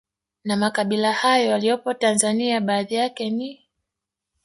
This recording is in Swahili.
Na makabila hayo yaliyopo Tanzania baadhi yake ni